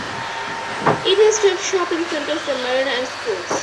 It was to have shopping centers, a marina, and schools.